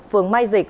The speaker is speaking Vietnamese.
phường mai dịch